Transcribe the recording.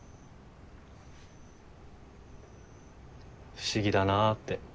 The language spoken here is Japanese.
不思議だなって。